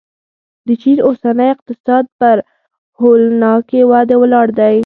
د چین اوسنی اقتصاد پر هولناکې ودې ولاړ دی.